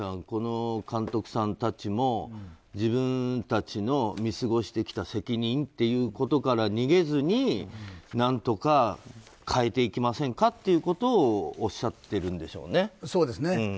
この監督さんたちも自分たちの見過ごしてきた責任ということから逃げずに何とか、変えていきませんかとおっしゃっているんでしょうね。